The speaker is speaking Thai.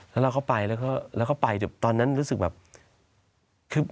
แล้วเราก็ไปแล้วก็ไปตอนนั้นรู้สึกแบบคือ